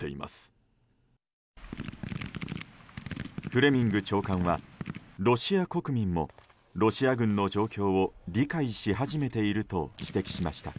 フレミング長官はロシア国民もロシア軍の状況を理解し始めていると指摘しました。